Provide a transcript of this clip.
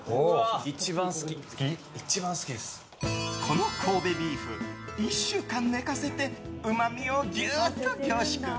この神戸ビーフ１週間寝かせてうまみをギュッと凝縮。